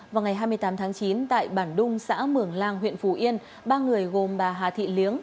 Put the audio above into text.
vào ngày hai mươi tám tháng chín tại bản đung xã mường lang huyện phù yên ba người gồm bà hà thị liếng